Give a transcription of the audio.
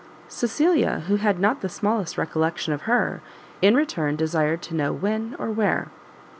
Cecilia, who had not the smallest recollection of her, in return desired to know when, or where?